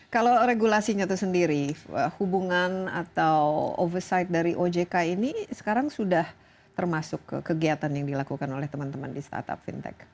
kalau regulasinya itu sendiri hubungan atau overside dari ojk ini sekarang sudah termasuk kegiatan yang dilakukan oleh teman teman di startup fintech